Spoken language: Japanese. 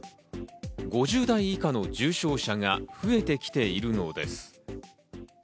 ５０代以下の重症者が増えてきているのです。